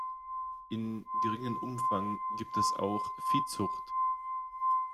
In geringen Umfang gibt es auch Viehzucht.